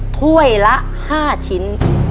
ถ้วยละ๕ชิ้น